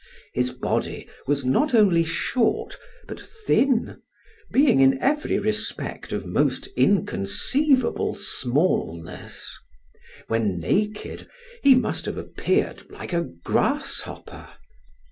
His body was not only short, but thin, being in every respect of most inconceivable smallness when naked he must have appeared like a grasshopper.